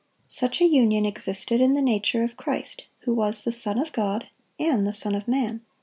Such a union existed in the nature of Christ, who was the Son of God and the Son of man.